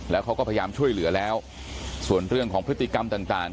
แล้วเขาก็พยายามช่วยเหลือแล้วส่วนเรื่องของพฤติกรรมต่าง